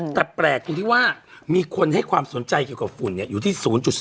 แต่แปลกตรงที่ว่ามีคนให้ความสนใจเกี่ยวกับฝุ่นอยู่ที่๐๒